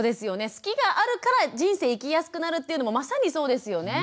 好きがあるから人生生きやすくなるっていうのもまさにそうですよね。